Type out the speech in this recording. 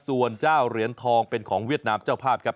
ส่วนเจ้าเหรียญทองเป็นของเวียดนามเจ้าภาพครับ